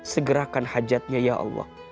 segerakan hajatnya ya allah